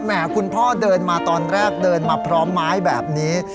คุณพ่อเดินมาตอนแรกเดินมาพร้อมไม้แบบนี้